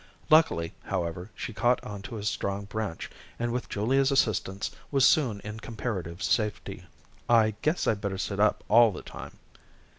Luckily, however, she caught on to a strong branch, and with Julia's assistance was soon in comparative safety. "I guess I'd better sit up all the time."